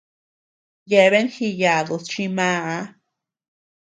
Yeabean jiyadus chi màà.